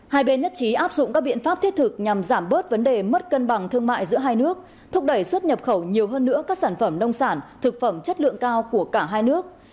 hai bên nhất trí áp dụng các biện pháp thiết thực nhằm giảm bớt vấn đề mất cân bằng thương mại giữa hai nước thúc đẩy xuất nhập khẩu nhiều hơn nữa các sản phẩm nông sản thực phẩm chất lượng cao của cả hai nước